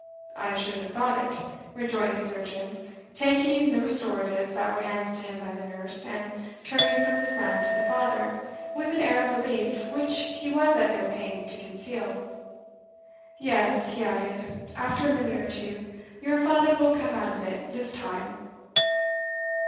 "I shouldn't have thought it," rejoined the surgeon, taking the restoratives that were handed to him by the nurse, and turning from the son to the father with an air of relief which he was at no pains to conceal. "Yes," he added, after a minute or two; "your father will come out of it this time."